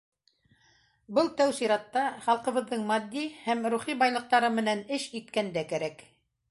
Был тәү сиратта халҡыбыҙҙың матди һәм рухи байлыҡтары менән эш иткәндә кәрәк.